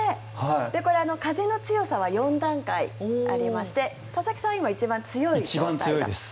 これ風の強さは４段階ありまして佐々木さんは今一番強い状態だということです。